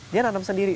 dia nanam sendiri